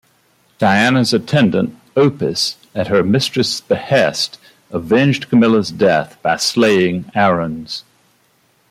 Diana's attendant, Opis, at her mistress' behest, avenged Camilla's death by slaying Arruns.